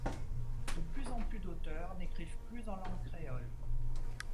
De plus en plus d'auteurs n'écrivent plus en langue créole.